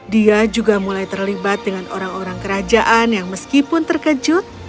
dia juga mulai terlibat dengan orang orang kerajaan yang meskipun terkejut